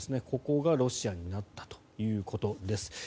ここがロシアになったということです。